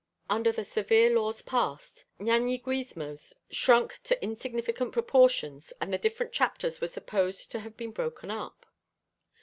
Under the severe laws passed, Ñañiguismo shrunk to insignificant proportions and the different chapters were supposed to have been broken up.